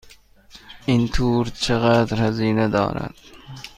این تور چقدر هزینه دارد؟